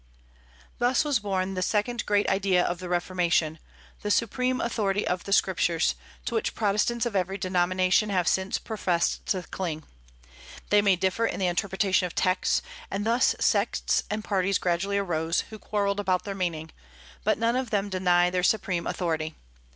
Thus was born the second great idea of the Reformation, the supreme authority of the Scriptures, to which Protestants of every denomination have since professed to cling. They may differ in the interpretation of texts, and thus sects and parties gradually arose, who quarrelled about their meaning, but none of them deny their supreme authority.